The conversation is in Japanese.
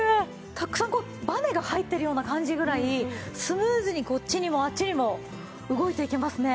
たくさんバネが入ってるような感じぐらいスムーズにこっちにもあっちにも動いていけますね。